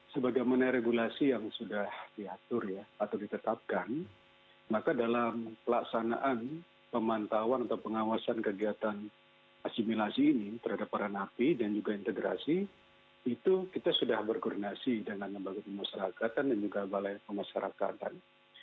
sebagaimana regulasi yang sudah diatur ya atau ditetapkan maka dalam pelaksanaan pemantauan atau pengawasan kegiatan asimilasi ini terhadap para napi dan juga integrasi itu kita sudah berkoordinasi dengan lembaga pemasarakatan dan juga balai pemasarakatan